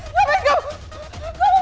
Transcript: apa yang kamu mau lakukan